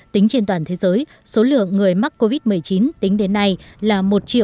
tính trên toàn thế giới số lượng người mắc covid một mươi chín tính đến nay là một một mươi sáu